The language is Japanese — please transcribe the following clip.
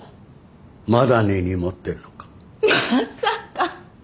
まさか。